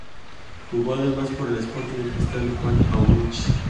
Jugó además por el Sporting Cristal y Juan Aurich.